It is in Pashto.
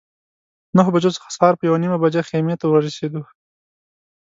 نهه بجو څخه سهار په یوه نیمه بجه خیمې ته ورسېدو.